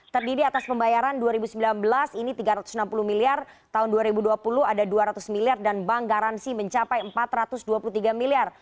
terdiri atas pembayaran dua ribu sembilan belas ini tiga ratus enam puluh miliar tahun dua ribu dua puluh ada dua ratus miliar dan bank garansi mencapai empat ratus dua puluh tiga miliar